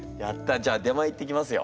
じゃあ出前行ってきますよ。